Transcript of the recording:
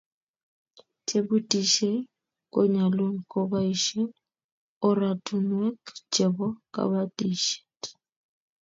chebutishei konyalun kobaishen oratunuek chebo kabatishiet